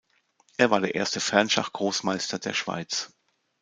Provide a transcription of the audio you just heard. Er war der erste Fernschach-Grossmeister der Schweiz.